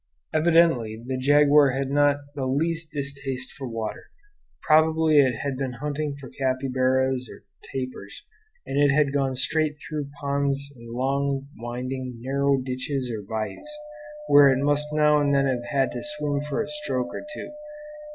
Evidently the jaguar had not the least distaste for water. Probably it had been hunting for capybaras or tapirs, and it had gone straight through ponds and long, winding, narrow ditches or bayous, where it must now and then have had to swim for a stroke or two.